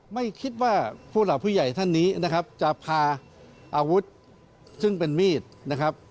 ไม่คิดว่าผู้หลักผู้ใหญ่ท่านนี้นะครับจะพาอาวุธซึ่งเป็นมีดนะครับ